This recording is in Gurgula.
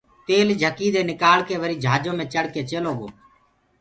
تيل جھڪيٚ دي نڪݪڪي وريٚ جھاجو مي چڙه ڪي چيلو گو